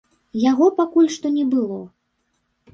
Яго пакуль што не было.